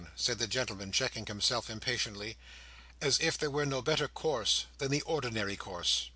said the gentleman, checking himself impatiently, "as if there were no better course than the ordinary course!"